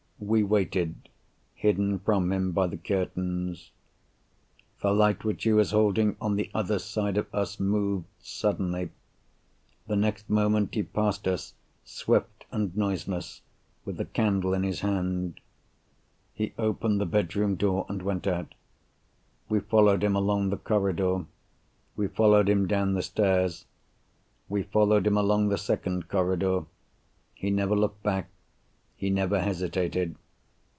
We waited, hidden from him by the curtains. The light which he was holding on the other side of us moved suddenly. The next moment he passed us, swift and noiseless, with the candle in his hand. He opened the bedroom door, and went out. We followed him along the corridor. We followed him down the stairs. We followed him along the second corridor. He never looked back; he never hesitated.